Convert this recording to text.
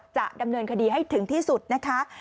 จะดำเนินคดีให้ถึงที่สุดนะคะ